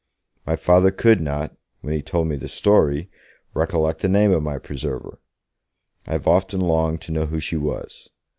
My Father could not when he told me the story recollect the name of my preserver. I have often longed to know who she was.